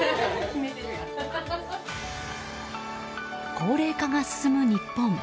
高齢化が進む日本。